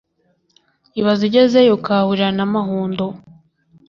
Ibaze ugezeyo ukahahurira na Mahundo